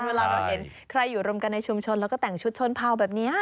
เวลาเราเห็นใครอยู่รวมกันในชุมชนแล้วก็แต่งชุดชนเผ่าแบบนี้